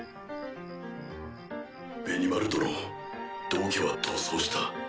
ベニマル殿道化は逃走した。